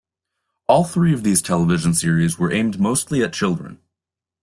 All three of these television series where aimed mostly at children.